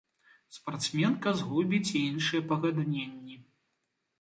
Спартсменка згубіць і іншыя пагадненні.